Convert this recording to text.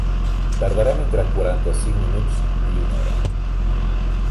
Tardarem entre quaranta-cinc minuts i una hora.